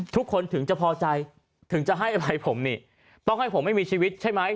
ทุกคนถึงจะพอใจถึงจะให้อะไรผมนี่ต้องให้ผมไม่มีชีวิตใช่ไหม